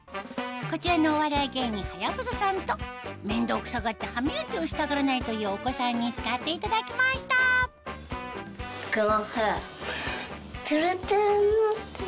こちらのお笑い芸人はやぶささんと面倒くさがって歯磨きをしたがらないというお子さんに使っていただきました楽？